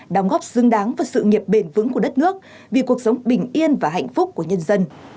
đóng góp xứng đáng vào sự nghiệp bền vững của đất nước vì cuộc sống bình yên và hạnh phúc của nhân dân